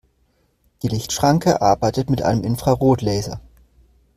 Die Lichtschranke arbeitet mit einem Infrarotlaser.